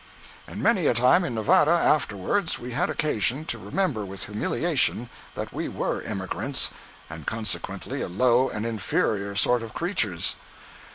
And many a time in Nevada, afterwards, we had occasion to remember with humiliation that we were "emigrants," and consequently a low and inferior sort of creatures.